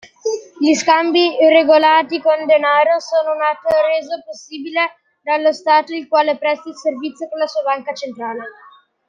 Gli scambi regolati con denaro sono un atto reso possibile dallo stato il quale presta il servizio con la sua banca centrale.